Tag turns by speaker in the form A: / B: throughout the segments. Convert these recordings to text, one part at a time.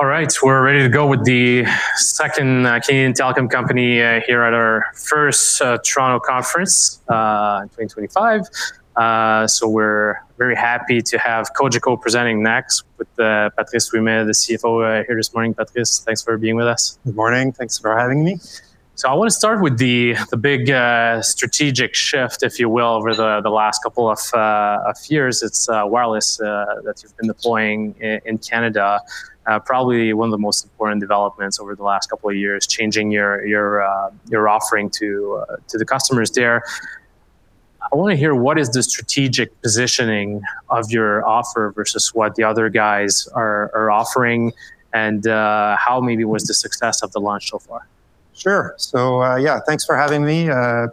A: All right, we're ready to go with the second Canadian telecom company here at our first Toronto conference in 2025. We are very happy to have Cogeco presenting next with Patrice Ouimet, the CFO here this morning. Patrice, thanks for being with us.
B: Good morning. Thanks for having me. I want to start with the big strategic shift, if you will, over the last couple of years. It's wireless that you've been deploying in Canada, probably one of the most important developments over the last couple of years, changing your offering to the customers there. I want to hear what is the strategic positioning of your offer versus what the other guys are offering and how maybe was the success of the launch so far? Sure. Yeah, thanks for having me.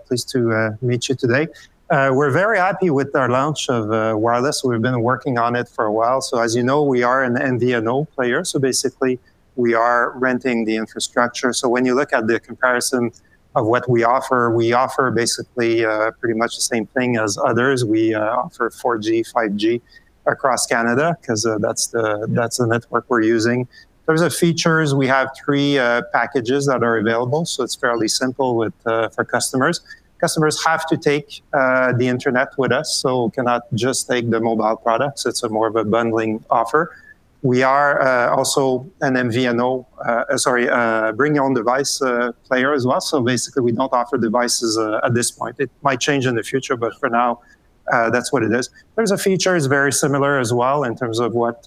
B: Pleased to meet you today. We're very happy with our launch of wireless. We've been working on it for a while. As you know, we are an MVNO player. Basically, we are renting the infrastructure. When you look at the comparison of what we offer, we offer pretty much the same thing as others. We offer 4G, 5G across Canada because that's the network we're using. In terms of features, we have three packages that are available. It's fairly simple for customers. Customers have to take the internet with us, so you cannot just take the mobile products. It's more of a bundling offer. We are also a bring-your-own-device player as well. Basically, we don't offer devices at this point. It might change in the future, but for now, that's what it is. There's a feature that is very similar as well in terms of what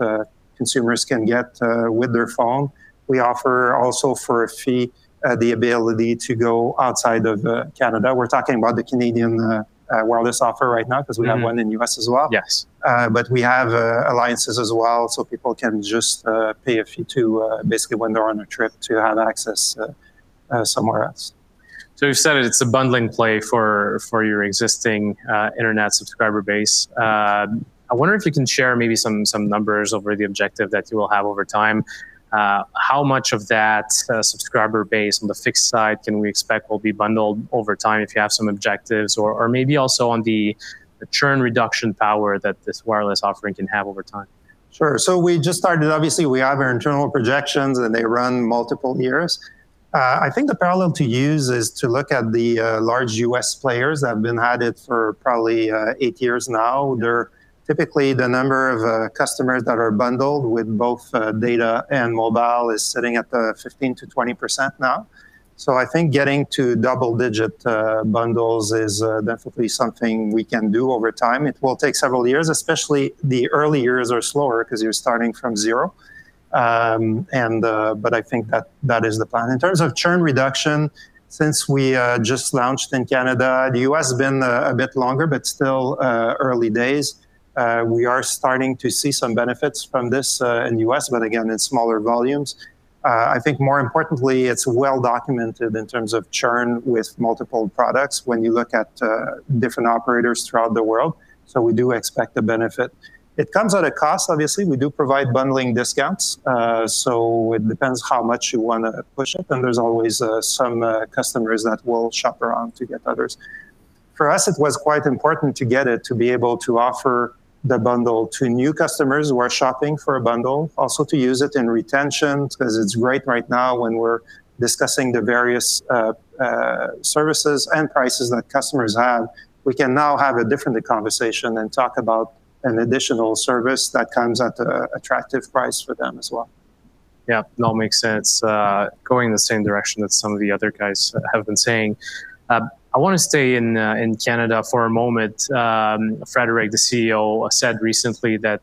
B: consumers can get with their phone. We offer also for a fee the ability to go outside of Canada. We're talking about the Canadian wireless offer right now because we have one in the U.S. as well. Yes. We have alliances as well. People can just pay a fee to basically, when they're on a trip, have access somewhere else. You have said it is a bundling play for your existing internet subscriber base. I wonder if you can share maybe some numbers over the objective that you will have over time. How much of that subscriber base on the fixed side can we expect will be bundled over time if you have some objectives or maybe also on the churn reduction power that this wireless offering can have over time? Sure. We just started, obviously, we have our internal projections and they run multiple years. I think the parallel to use is to look at the large U.S. players that have been at it for probably eight years now. Typically, the number of customers that are bundled with both data and mobile is sitting at 15%-20% now. I think getting to double-digit bundles is definitely something we can do over time. It will take several years, especially the early years are slower because you're starting from zero. I think that is the plan. In terms of churn reduction, since we just launched in Canada, the U.S. has been a bit longer, but still early days. We are starting to see some benefits from this in the U.S., but again, in smaller volumes. I think more importantly, it's well documented in terms of churn with multiple products when you look at different operators throughout the world. We do expect the benefit. It comes at a cost, obviously. We do provide bundling discounts. It depends how much you want to push it. There's always some customers that will shop around to get others. For us, it was quite important to get it to be able to offer the bundle to new customers who are shopping for a bundle, also to use it in retention because it's great right now when we're discussing the various services and prices that customers have. We can now have a different conversation and talk about an additional service that comes at an attractive price for them as well. Yeah, that makes sense. Going in the same direction that some of the other guys have been saying. I want to stay in Canada for a moment. Frédéric, the CEO, said recently that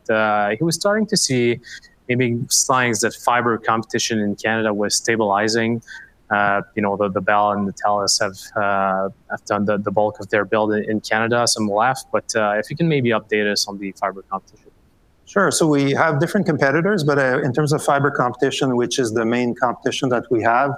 B: he was starting to see maybe signs that fiber competition in Canada was stabilizing. The Bell and the TELUS have done the bulk of their build in Canada, some left. If you can maybe update us on the fiber competition. Sure. We have different competitors, but in terms of fiber competition, which is the main competition that we have,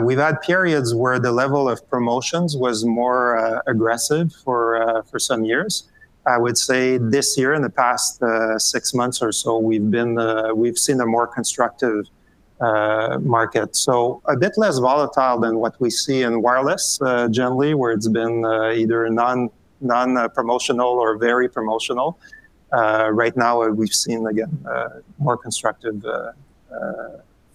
B: we've had periods where the level of promotions was more aggressive for some years. I would say this year, in the past six months or so, we've seen a more constructive market. A bit less volatile than what we see in wireless generally, where it's been either non-promotional or very promotional. Right now, we've seen, again, a more constructive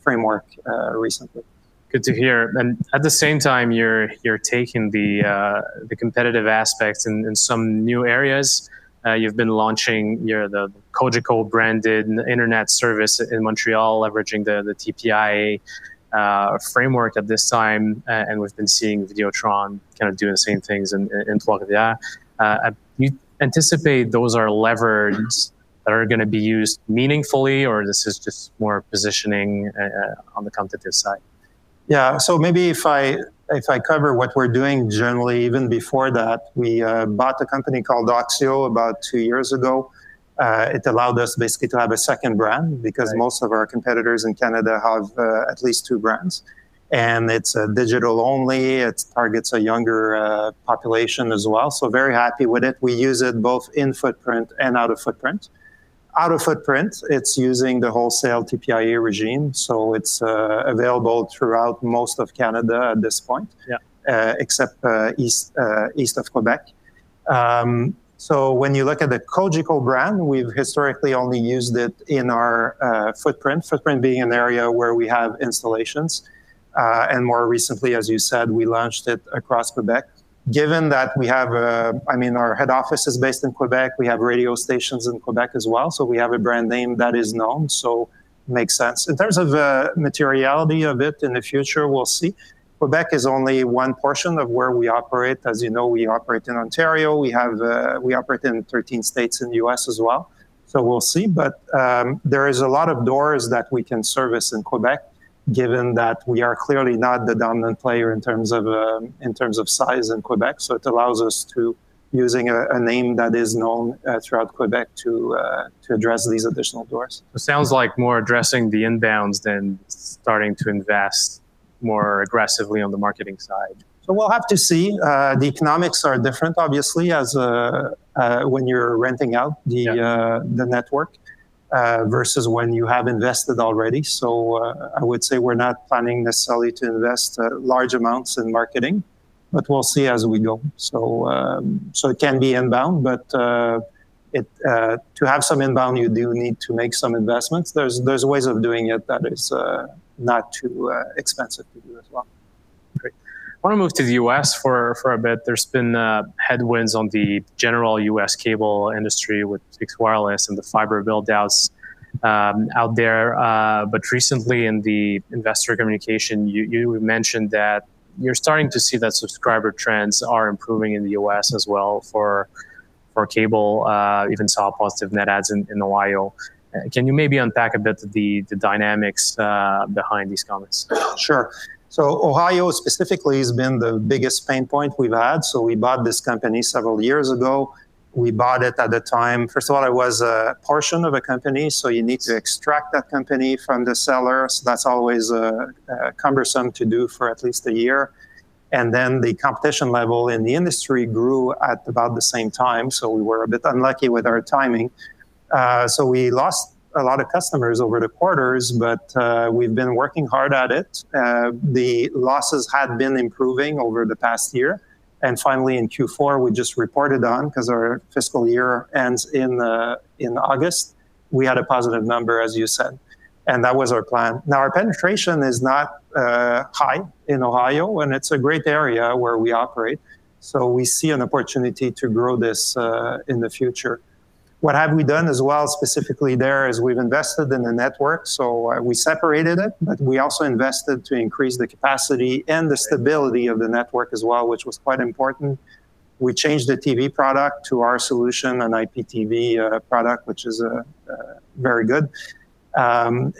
B: framework recently. Good to hear. At the same time, you're taking the competitive aspects in some new areas. You've been launching the Cogeco branded Internet service in Montreal, leveraging the TPIA framework at this time. We've been seeing Videotron kind of doing the same things in Florida. Do you anticipate those are levers that are going to be used meaningfully, or is this just more positioning on the competitive side? Yeah. Maybe if I cover what we're doing generally, even before that, we bought a company called Axio about two years ago. It allowed us basically to have a second brand because most of our competitors in Canada have at least two brands. And it's digital only. It targets a younger population as well. Very happy with it. We use it both in footprint and out of footprint. Out of footprint, it's using the wholesale TPIA regime. It's available throughout most of Canada at this point, except east of Quebec. When you look at the Cogeco brand, we've historically only used it in our footprint, footprint being an area where we have installations. More recently, as you said, we launched it across Quebec. Given that we have, I mean, our head office is based in Quebec, we have radio stations in Quebec as well. We have a brand name that is known. It makes sense. In terms of materiality of it in the future, we'll see. Quebec is only one portion of where we operate. As you know, we operate in Ontario. We operate in 13 states in the U.S. as well. We'll see. There are a lot of doors that we can service in Quebec, given that we are clearly not the dominant player in terms of size in Quebec. It allows us to use a name that is known throughout Quebec to address these additional doors. It sounds like more addressing the inbounds than starting to invest more aggressively on the marketing side. We will have to see. The economics are different, obviously, when you are renting out the network versus when you have invested already. I would say we are not planning necessarily to invest large amounts in marketing, but we will see as we go. It can be inbound, but to have some inbound, you do need to make some investments. There are ways of doing it that are not too expensive to do as well. I want to move to the U.S. for a bit. There's been headwinds on the general U.S. cable industry with fixed wireless and the fiber buildouts out there. Recently, in the investor communication, you mentioned that you're starting to see that subscriber trends are improving in the U.S. as well for cable, even soft positive net adds in Ohio. Can you maybe unpack a bit of the dynamics behind these comments? Sure. Ohio specifically has been the biggest pain point we've had. We bought this company several years ago. We bought it at the time. First of all, it was a portion of a company. You need to extract that company from the sellers. That's always cumbersome to do for at least a year. The competition level in the industry grew at about the same time. We were a bit unlucky with our timing. We lost a lot of customers over the quarters, but we've been working hard at it. The losses had been improving over the past year. Finally, in Q4, we just reported on because our fiscal year ends in August, we had a positive number, as you said. That was our plan. Our penetration is not high in Ohio, and it's a great area where we operate. We see an opportunity to grow this in the future. What we have done as well specifically there is we have invested in the network. We separated it, but we also invested to increase the capacity and the stability of the network as well, which was quite important. We changed the TV product to our solution, an IPTV product, which is very good. Our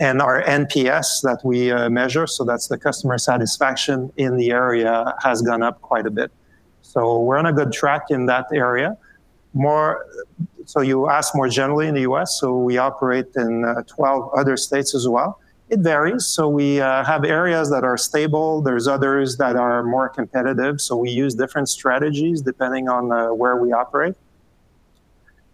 B: NPS that we measure, so that is the customer satisfaction in the area, has gone up quite a bit. We are on a good track in that area. You ask more generally in the U.S., we operate in 12 other states as well. It varies. We have areas that are stable. There are others that are more competitive. We use different strategies depending on where we operate.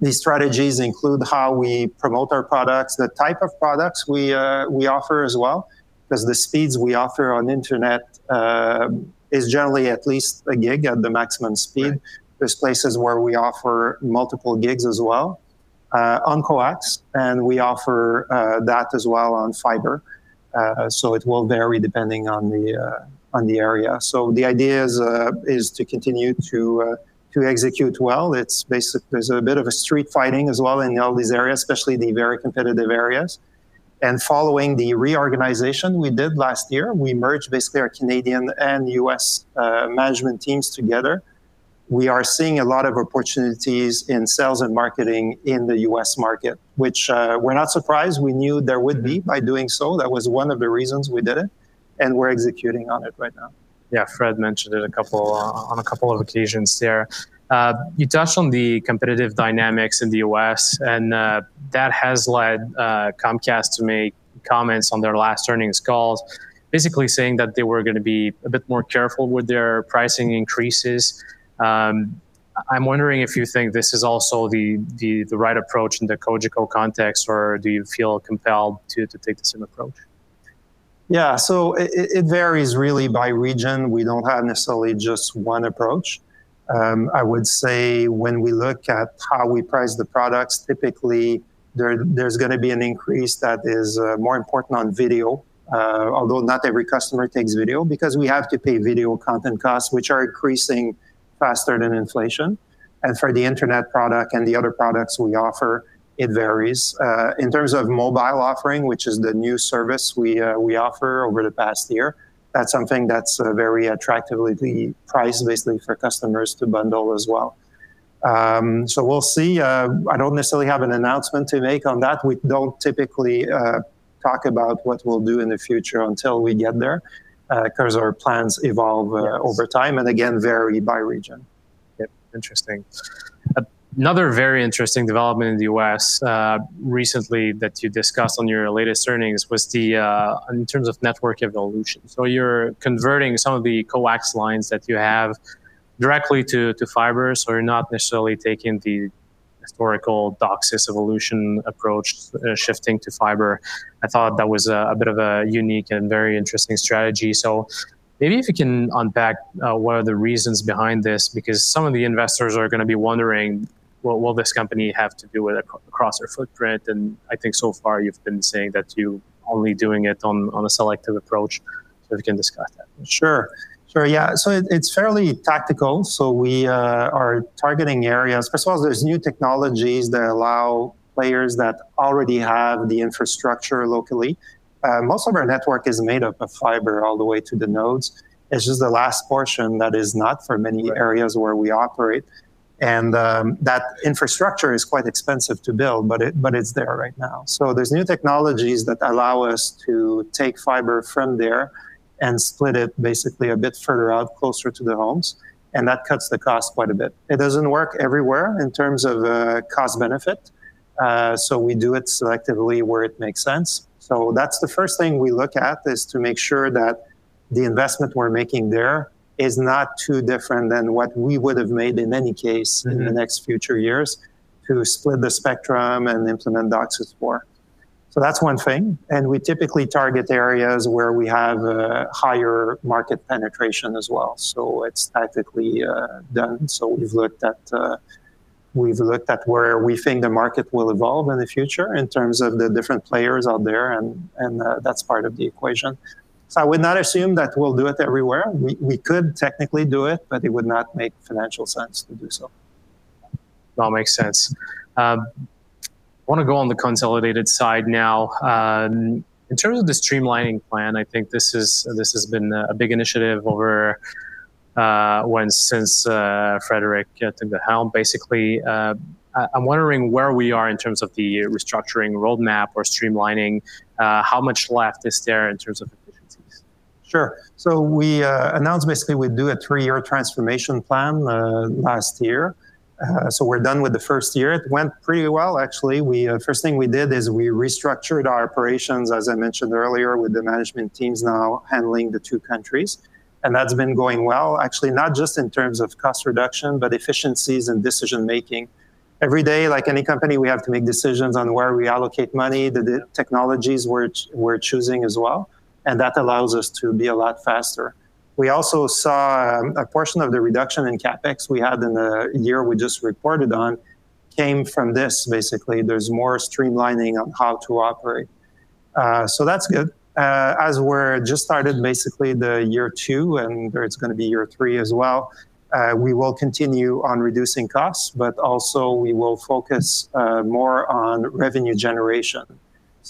B: These strategies include how we promote our products, the type of products we offer as well. Because the speeds we offer on internet is generally at least a gig at the maximum speed. There are places where we offer multiple gigs as well on coax. We offer that as well on fiber. It will vary depending on the area. The idea is to continue to execute well. There is a bit of street fighting as well in all these areas, especially the very competitive areas. Following the reorganization we did last year, we merged basically our Canadian and U.S. management teams together. We are seeing a lot of opportunities in sales and marketing in the U.S. market, which we are not surprised. We knew there would be by doing so. That was one of the reasons we did it. We are executing on it right now. Yeah, Fred mentioned it on a couple of occasions there. You touched on the competitive dynamics in the U.S. That has led Comcast to make comments on their last earnings calls, basically saying that they were going to be a bit more careful with their pricing increases. I'm wondering if you think this is also the right approach in the Cogeco context, or do you feel compelled to take the same approach? Yeah. It varies really by region. We do not have necessarily just one approach. I would say when we look at how we price the products, typically, there is going to be an increase that is more important on video, although not every customer takes video because we have to pay video content costs, which are increasing faster than inflation. For the internet product and the other products we offer, it varies. In terms of mobile offering, which is the new service we offer over the past year, that is something that is very attractively priced basically for customers to bundle as well. We will see. I do not necessarily have an announcement to make on that. We do not typically talk about what we will do in the future until we get there because our plans evolve over time and, again, vary by region. Interesting. Another very interesting development in the U.S. recently that you discussed on your latest earnings was in terms of network evolution. You're converting some of the coax lines that you have directly to fiber. You're not necessarily taking the historical DOCSIS evolution approach, shifting to fiber. I thought that was a bit of a unique and very interesting strategy. Maybe if you can unpack what are the reasons behind this, because some of the investors are going to be wondering, will this company have to do it across our footprint? I think so far you've been saying that you're only doing it on a selective approach. If you can discuss that. Sure. Yeah. It's fairly tactical. We are targeting areas. First of all, there's new technologies that allow players that already have the infrastructure locally. Most of our network is made up of fiber all the way to the nodes. It's just the last portion that is not for many areas where we operate. That infrastructure is quite expensive to build, but it's there right now. There's new technologies that allow us to take fiber from there and split it basically a bit further out, closer to the homes. That cuts the cost quite a bit. It doesn't work everywhere in terms of cost benefit. We do it selectively where it makes sense. That's the first thing we look at is to make sure that the investment we're making there is not too different than what we would have made in any case in the next future years to split the spectrum and implement DOCSIS for. That's one thing. We typically target areas where we have higher market penetration as well. It's tactically done. We've looked at where we think the market will evolve in the future in terms of the different players out there. That's part of the equation. I would not assume that we'll do it everywhere. We could technically do it, but it would not make financial sense to do so. That makes sense. I want to go on the consolidated side now. In terms of the streamlining plan, I think this has been a big initiative since Frédéric took the helm, basically. I'm wondering where we are in terms of the restructuring roadmap or streamlining. How much left is there in terms of efficiencies? Sure. We announced basically we'd do a three-year transformation plan last year. We are done with the first year. It went pretty well, actually. The first thing we did is we restructured our operations, as I mentioned earlier, with the management teams now handling the two countries. That has been going well, actually, not just in terms of cost reduction, but efficiencies and decision-making. Every day, like any company, we have to make decisions on where we allocate money, the technologies we are choosing as well. That allows us to be a lot faster. We also saw a portion of the reduction in CapEx we had in the year we just reported on came from this, basically. There is more streamlining on how to operate. That is good. As we're just started basically the year two, and it's going to be year three as well, we will continue on reducing costs, but also we will focus more on revenue generation.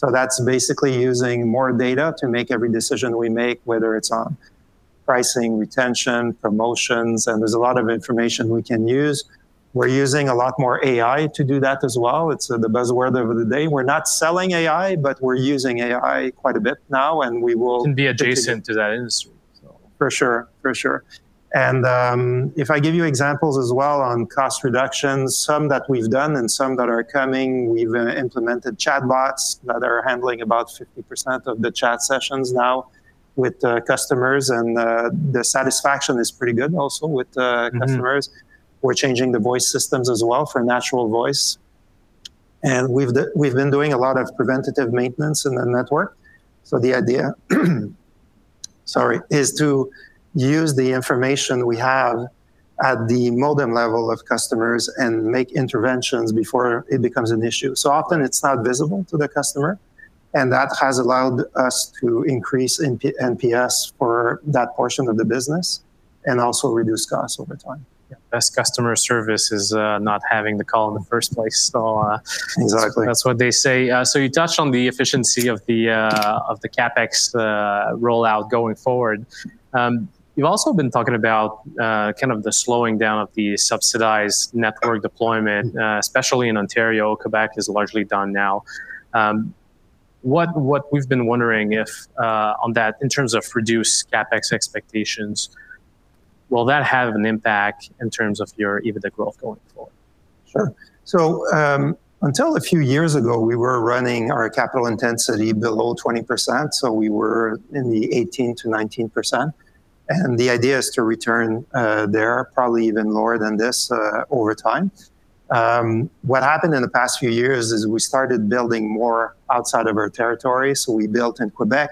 B: That's basically using more data to make every decision we make, whether it's on pricing, retention, promotions. There's a lot of information we can use. We're using a lot more AI to do that as well. It's the buzzword of the day. We're not selling AI, but we're using AI quite a bit now. We will. It can be adjacent to that industry. For sure. For sure. If I give you examples as well on cost reductions, some that we've done and some that are coming, we've implemented chatbots that are handling about 50% of the chat sessions now with customers. The satisfaction is pretty good also with customers. We're changing the voice systems as well for natural voice. We've been doing a lot of preventative maintenance in the network. The idea, sorry, is to use the information we have at the modem level of customers and make interventions before it becomes an issue. Often it's not visible to the customer. That has allowed us to increase NPS for that portion of the business and also reduce costs over time. Best customer service is not having the call in the first place. Exactly. That's what they say. You touched on the efficiency of the CapEx rollout going forward. You've also been talking about kind of the slowing down of the subsidized network deployment, especially in Ontario. Quebec is largely done now. What we've been wondering on that in terms of reduced CapEx expectations, will that have an impact in terms of even the growth going forward? Sure. Until a few years ago, we were running our capital intensity below 20%. We were in the 18%-19%. The idea is to return there, probably even lower than this over time. What happened in the past few years is we started building more outside of our territory. We built in Quebec.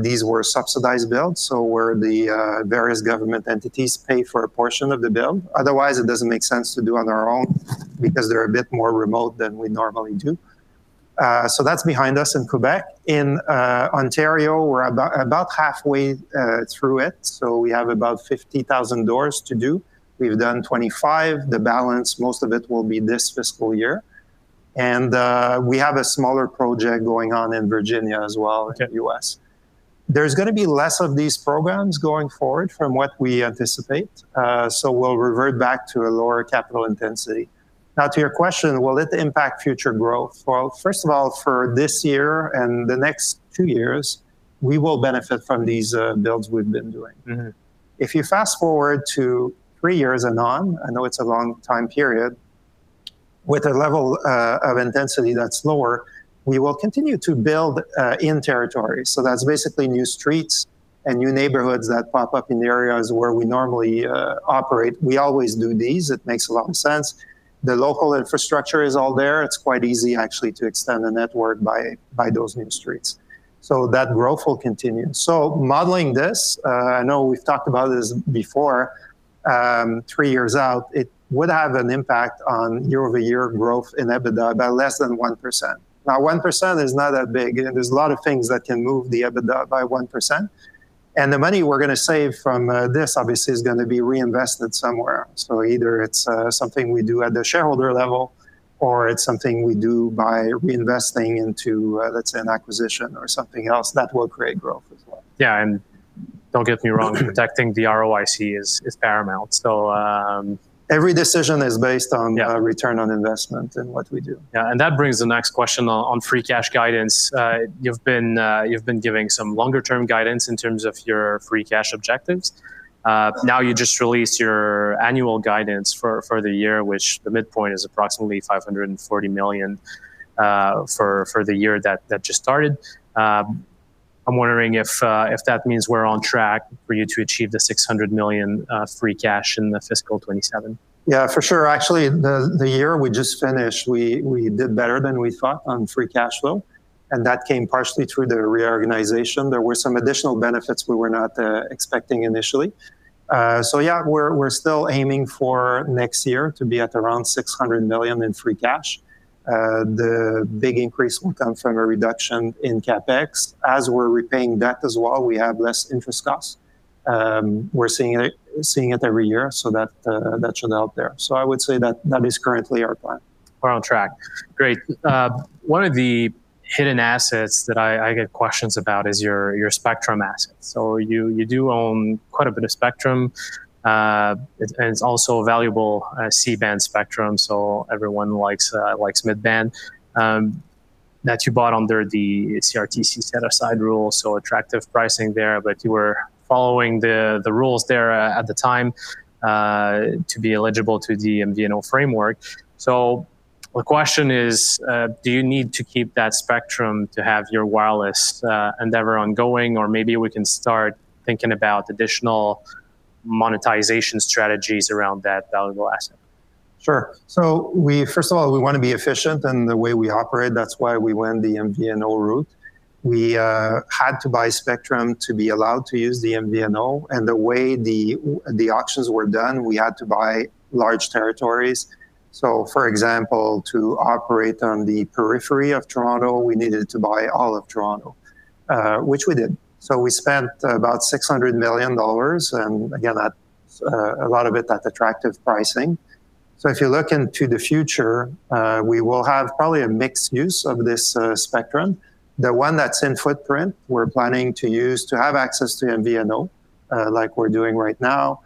B: These were subsidized builds, where the various government entities pay for a portion of the build. Otherwise, it does not make sense to do on our own because they are a bit more remote than we normally do. That is behind us in Quebec. In Ontario, we are about halfway through it. We have about 50,000 doors to do. We have done 25,000. The balance, most of it will be this fiscal year. We have a smaller project going on in Virginia as well in the U.S.. is going to be less of these programs going forward from what we anticipate. We will revert back to a lower capital intensity. Now, to your question, will it impact future growth? First of all, for this year and the next two years, we will benefit from these builds we have been doing. If you fast forward to three years and on, I know it is a long time period, with a level of intensity that is lower, we will continue to build in territory. That is basically new streets and new neighborhoods that pop up in the areas where we normally operate. We always do these. It makes a lot of sense. The local infrastructure is all there. It is quite easy, actually, to extend the network by those new streets. That growth will continue. Modeling this, I know we've talked about this before, three years out, it would have an impact on year-over-year growth in EBITDA by less than 1%. Now, 1% is not that big. There are a lot of things that can move the EBITDA by 1%. The money we're going to save from this, obviously, is going to be reinvested somewhere. Either it's something we do at the shareholder level, or it's something we do by reinvesting into, let's say, an acquisition or something else that will create growth as well. Yeah. Do not get me wrong, protecting the ROIC is paramount. Every decision is based on return on investment in what we do. Yeah. That brings the next question on free cash guidance. You've been giving some longer-term guidance in terms of your free cash objectives. Now you just released your annual guidance for the year, which the midpoint is approximately 540 million for the year that just started. I'm wondering if that means we're on track for you to achieve the 600 million free cash in the fiscal 2027. Yeah, for sure. Actually, the year we just finished, we did better than we thought on free cash flow. That came partially through the reorganization. There were some additional benefits we were not expecting initially. Yeah, we're still aiming for next year to be at around 600 million in free cash. The big increase will come from a reduction in CapEx. As we're repaying debt as well, we have less interest costs. We're seeing it every year. That should help there. I would say that is currently our plan. We're on track. Great. One of the hidden assets that I get questions about is your spectrum assets. You do own quite a bit of spectrum. It is also a valuable C-band spectrum. Everyone likes mid-band that you bought under the CRTC set-aside rule. Attractive pricing there. You were following the rules there at the time to be eligible to the MVNO framework. The question is, do you need to keep that spectrum to have your wireless endeavor ongoing? Maybe we can start thinking about additional monetization strategies around that valuable asset. Sure. First of all, we want to be efficient in the way we operate. That's why we went the MVNO route. We had to buy spectrum to be allowed to use the MVNO. The way the auctions were done, we had to buy large territories. For example, to operate on the periphery of Toronto, we needed to buy all of Toronto, which we did. We spent about 600 million dollars. A lot of it was at attractive pricing. If you look into the future, we will have probably a mixed use of this spectrum. The one that's in footprint, we're planning to use to have access to MVNO, like we're doing right now.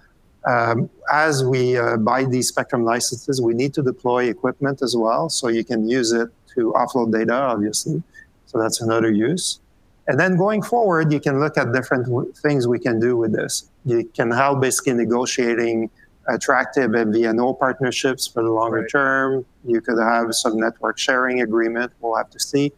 B: As we buy these spectrum licenses, we need to deploy equipment as well. You can use it to offload data, obviously. That's another use. Going forward, you can look at different things we can do with this. You can help basically negotiating attractive MVNO partnerships for the longer term. You could have some network sharing agreement. We'll have to see.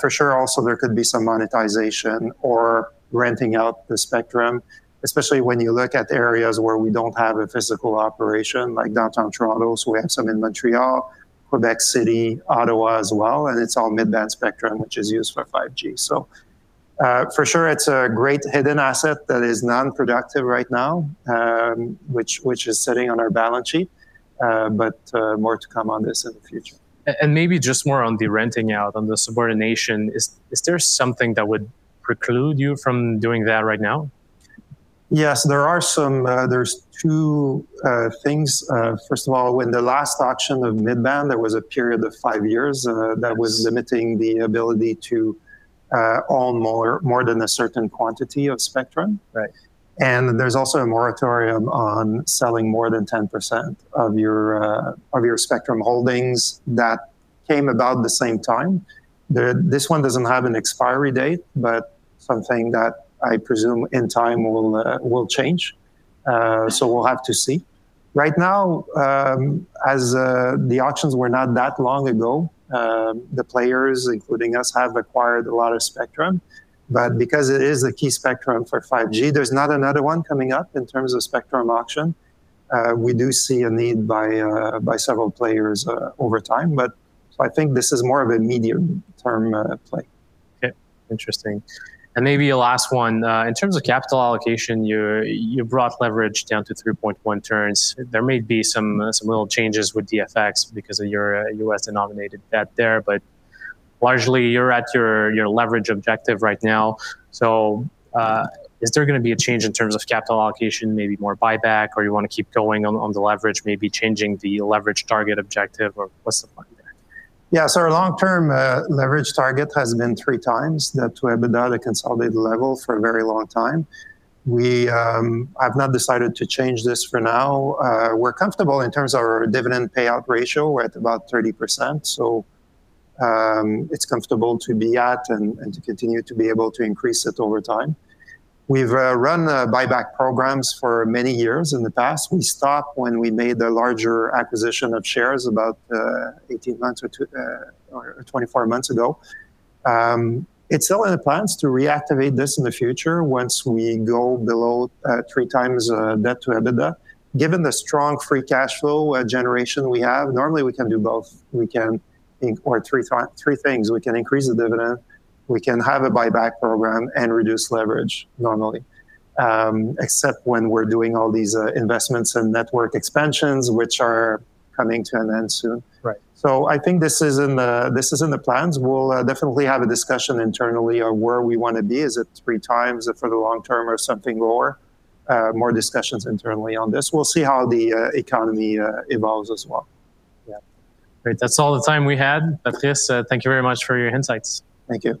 B: For sure, also there could be some monetization or renting out the spectrum, especially when you look at areas where we don't have a physical operation, like downtown Toronto. We have some in Montreal, Quebec City, Ottawa as well. It is all mid-band spectrum, which is used for 5G. For sure, it's a great hidden asset that is nonproductive right now, which is sitting on our balance sheet. More to come on this in the future. Maybe just more on the renting out, on the subordination, is there something that would preclude you from doing that right now? Yes. There are some. There are two things. First of all, in the last auction of mid-band, there was a period of five years that was limiting the ability to own more than a certain quantity of spectrum. There is also a moratorium on selling more than 10% of your spectrum holdings that came about the same time. This one does not have an expiry date, but something that I presume in time will change. We will have to see. Right now, as the auctions were not that long ago, the players, including us, have acquired a lot of spectrum. Because it is a key spectrum for 5G, there is not another one coming up in terms of spectrum auction. We do see a need by several players over time. I think this is more of a medium-term play. Okay. Interesting. Maybe a last one. In terms of capital allocation, you brought leverage down to 3.1 turns. There may be some little changes with DFX because of your U.S.-denominated debt there. Largely, you're at your leverage objective right now. Is there going to be a change in terms of capital allocation, maybe more buyback, or you want to keep going on the leverage, maybe changing the leverage target objective, or what's the plan there? Yeah. Our long-term leverage target has been three times to EBITDA at a consolidated level for a very long time. I've not decided to change this for now. We're comfortable in terms of our dividend payout ratio. We're at about 30%. It's comfortable to be at and to continue to be able to increase it over time. We've run buyback programs for many years in the past. We stopped when we made a larger acquisition of shares about 18 months or 24 months ago. It's still in the plans to reactivate this in the future once we go below three times debt to EBITDA. Given the strong free cash flow generation we have, normally we can do both. We can increase three things. We can increase the dividend. We can have a buyback program and reduce leverage normally, except when we're doing all these investments and network expansions, which are coming to an end soon. I think this is in the plans. We'll definitely have a discussion internally of where we want to be. Is it three times for the long term or something lower? More discussions internally on this. We'll see how the economy evolves as well. Yeah. Great. That's all the time we had. Patrice, thank you very much for your insights. Thank you.